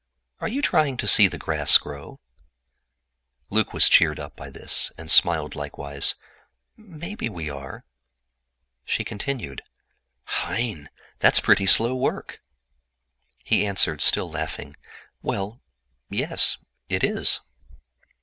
Are you trying to see the grass grow?" Luc was cheered up by this, and smiled likewise: "Maybe we are." "That's pretty slow work," said she. He answered, still laughing: "Well, yes, it is."